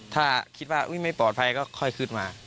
ถ้าคิดว่าไม่ปลอดภัยก็ค่อยขึ้นมา